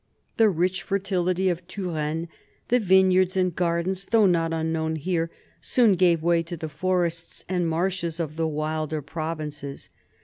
The rich fertility of Touraine, the vineyards and gardens, though not unknown here, soon gave way to the forests and marshes of the wilder provinces.